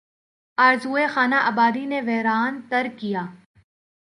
آرزوئے خانہ آبادی نے ویراں تر کیا